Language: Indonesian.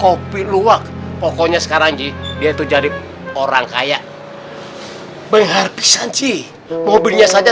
kopi luwak pokoknya sekarang ji dia itu jadi orang kaya mengharpisan cih mobilnya saja